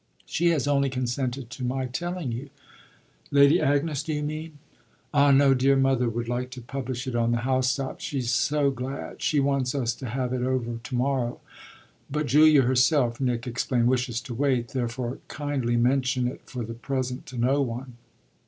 She has only consented to my telling you." "Lady Agnes, do you mean?" "Ah no; dear mother would like to publish it on the house tops. She's so glad she wants us to have it over to morrow. But Julia herself," Nick explained, "wishes to wait. Therefore kindly mention it for the present to no one."